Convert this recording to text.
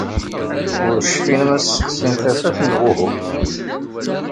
Ur cfin ma ssexsin tafat neɣ uhu.